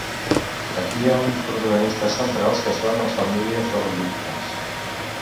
Aquí hi ha uns protagonistes centrals que són els famílies de les víctimes.